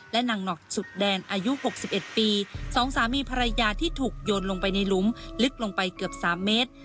และนางหนอกสุดแดนอายุ๖๑ปี๒สามีภรรยาที่ถูกโยนลงไปในหลุมลึกลงไปเกือบ๓เมตร